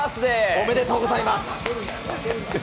おめでとうございます。。